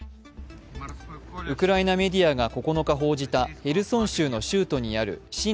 ウクライナメディアが９日報じたヘルソン州の州都にある親